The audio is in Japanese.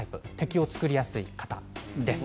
敵を作りやすい方です。